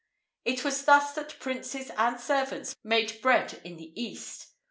[IV 2] It was thus that princes and servants made bread in the East.